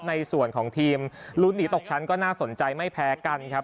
ในส่วนของทีมลุ้นหนีตกชั้นก็น่าสนใจไม่แพ้กันครับ